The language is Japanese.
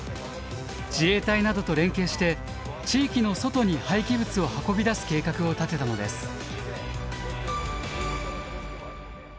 自衛隊などと連携して地域の外に廃棄物を運び出す計画を立てたのです。